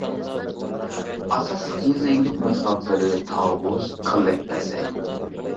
ئاساسلىق يېزا ئىگىلىك مەھسۇلاتلىرى تاۋۇز، كاللەكبەسەي.